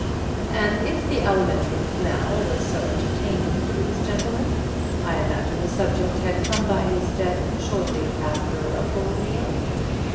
"And if the alimentary canal was so entertaining to these gentlemen, I imagine the subject had come by his death shortly after a full meal."